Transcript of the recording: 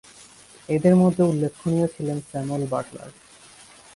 এঁদের মধ্যে উল্লেখনীয় ছিলেন স্যামুয়েল বাটলার।